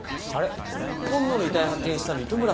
今野の遺体発見したの糸村さんでしたよね。